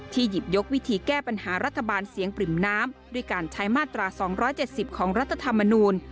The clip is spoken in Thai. หยิบยกวิธีแก้ปัญหารัฐบาลเสียงปริ่มน้ำด้วยการใช้มาตรา๒๗๐ของรัฐธรรมนูล